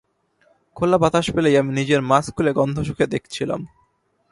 খোলা বাতাস পেলেই আমি নিজের মাস্ক খুলে গন্ধ শুঁকে দেখছিলাম।